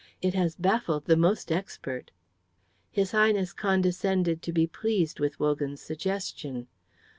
It has baffled the most expert." His Highness condescended to be pleased with Wogan's suggestion.